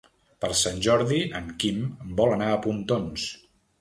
Per Sant Jordi en Quim vol anar a Pontons.